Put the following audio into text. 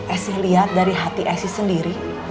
esi lihat dari hati asis sendiri